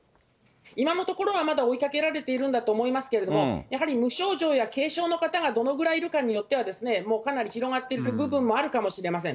今のところはまだ追いかけられているんだと思いますけれども、やはり無症状や軽症の方がどのぐらいいるかによっては、もうかなり広がっている部分もあるかもしれません。